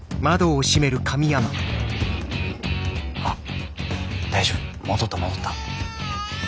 あっ大丈夫戻った戻った。